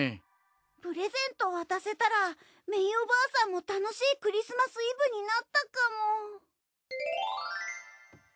プレゼント渡せたらメイおばあさんも楽しいクリスマスイブになったかも。